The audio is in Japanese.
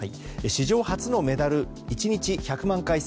史上初のメダル１日１００万回